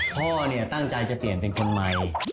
พ่อเนี่ยตั้งใจจะเปลี่ยนเป็นคนใหม่